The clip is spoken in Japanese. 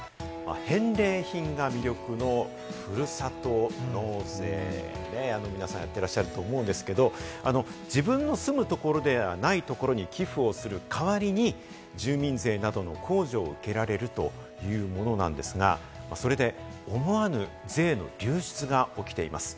返礼品が魅力のふるさと納税、皆さん、やってらっしゃると思うんですけれども、自分の住むところではないところに寄付をする代わりに住民税などの控除を受けられるというものなんですが、それで思わぬ税の流出が起きています。